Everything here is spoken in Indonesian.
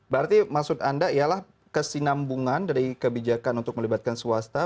berarti maksud anda ialah kesinambungan dari kebijakan untuk melibatkan swasta